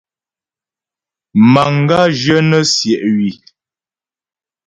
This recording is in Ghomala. Manga zhyə nə̀ siɛ̀ ywii.